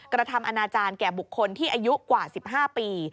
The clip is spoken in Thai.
กระทำอนาจารย์แก่บุคคลที่อายุกว่า๑๕ปี